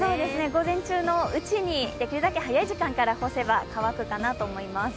午前中のうちにできるだけ早い時間から干せば乾くかなと思います。